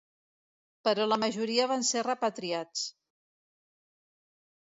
Però la majoria van ser repatriats